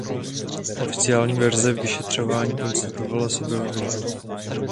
Oficiální verze vyšetřování konstatovala sebevraždu.